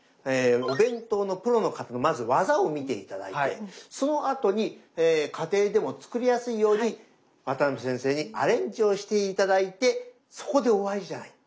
お弁当のプロの方のまず技を見て頂いてそのあとに家庭でも作りやすいように渡辺先生にアレンジをして頂いてそこで終わりじゃない。